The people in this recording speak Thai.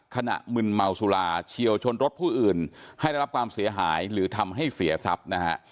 มึนเมาสุราเฉียวชนรถผู้อื่นให้ได้รับความเสียหายหรือทำให้เสียทรัพย์นะฮะ